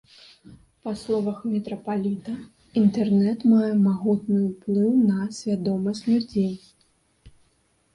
Па словах мітрапаліта, інтэрнэт мае магутны ўплыў на свядомасць людзей.